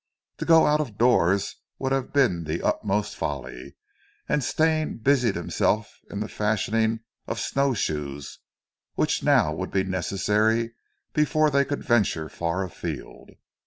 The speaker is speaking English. To go out of doors would have been the uttermost folly, and Stane busied himself in the fashioning of snow shoes which now would be necessary before they could venture far afield.